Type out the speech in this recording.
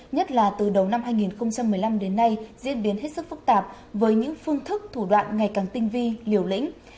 nhất là từ đầu năm hai nghìn một mươi năm đến nay diễn biến hết sức phức tạp với những phương thức thủ đoạn ngày càng tinh vi liều lĩnh